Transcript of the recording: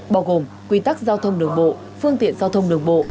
bao gồm quy tắc giao thông đường bộ phương tiện giao thông đường bộ